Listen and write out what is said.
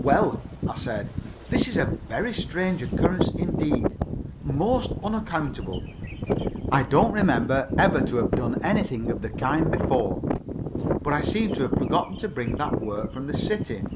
"Well," I said, "this is a very strange occurrence indeed most unaccountable! I don't remember ever to have done anything of the kind before, but I seem to have forgotten to bring that work from the city.